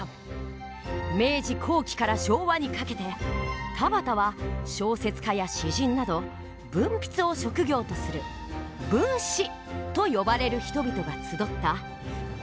明治後期から昭和にかけて田端は小説家や詩人など文筆を職業とする文士と呼ばれる人々が集った文士村でした。